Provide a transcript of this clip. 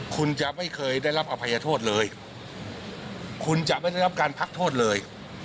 คุณจะไม่เคยได้รับอภัยโทษเลยคุณจะไม่ได้รับการพักโทษเลย